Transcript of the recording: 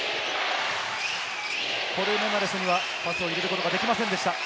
コルメナレスにはパスを入れることができませんでした。